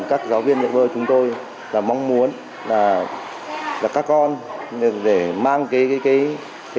các giáo viên dạy bơi chúng tôi là mong muốn là các con để mang cái kỹ năng để bơi